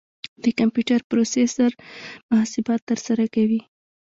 د کمپیوټر پروسیسر محاسبات ترسره کوي.